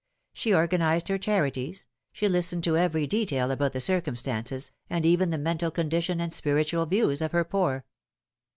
She organised her charities, she listened to every detail about the circumstances, and even the mental condition and spiritual views of her poor.